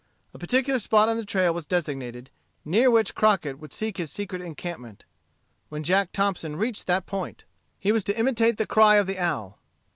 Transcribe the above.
A particular spot on the trail was designated, near which Crockett would seek his secret encampment. When Jack Thompson reached that spot, he was to imitate the cry of the owl.